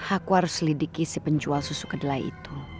aku harus lidiki si penjual susu kedelai itu